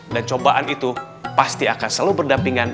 dan cobaan itu pasti akan selalu berakhir